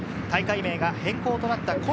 大会名が変更となった